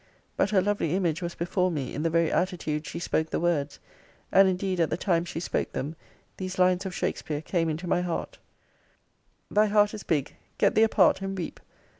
But her lovely image was before me, in the very attitude she spoke the words and indeed at the time she spoke them, these lines of Shakespeare came into my head: Thy heart is big. Get thee apart and weep!